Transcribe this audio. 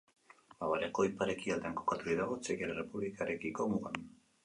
Bavariako ipar-ekialdean kokaturik dago Txekiar Errepublikarekiko mugan.